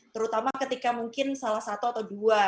terutama ketika mungkin salah satu atau dua